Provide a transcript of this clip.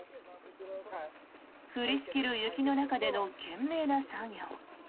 降りしきる雪の中での懸命な作業。